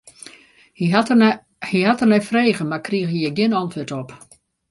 Hy hat der nei frege, mar kriget hjir gjin antwurd op.